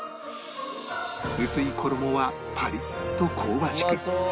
薄い衣はパリッと香ばしく